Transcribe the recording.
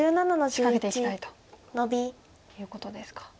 仕掛けていきたいということですか。